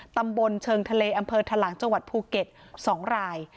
ตำบลเชิงทะเลอำเภอทะลังจังหวัดภูเก็ต๒ราย